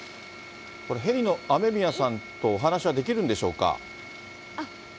これ、ヘリの、雨宮さんとお話はできるんでしょうか。